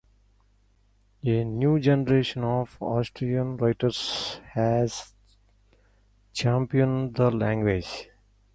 A new generation of Asturian writers has championed the language.